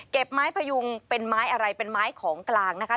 ไม้พยุงเป็นไม้อะไรเป็นไม้ของกลางนะคะ